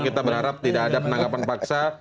kita berharap tidak ada penangkapan paksa